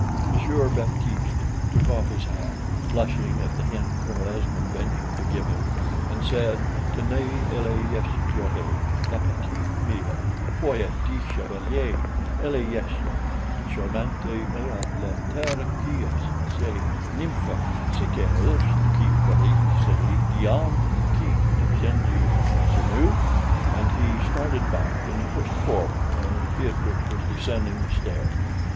Monsieur Baptiste took off his hat, blushing at the hint Colonel Esmond ventured to give him, and said: "Tenez, elle est jolie, la petite mere. Foi de Chevalier! elle est charmante; mais l'autre, qui est cette nymphe, cet astre qui brille, cette Diane qui descend sur nous?" And he started back, and pushed forward, as Beatrix was descending the stair.